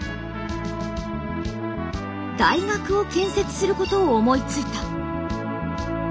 大学を建設することを思いついた。